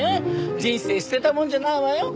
人生捨てたもんじゃないわよ。